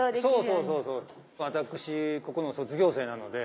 そうそう私ここの卒業生なので。